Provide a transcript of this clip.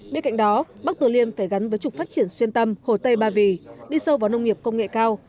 bên cạnh đó bắc tử liêm phải gắn với trục phát triển xuyên tâm hồ tây ba vì đi sâu vào nông nghiệp công nghệ cao